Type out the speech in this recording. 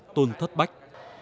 tuân thất bách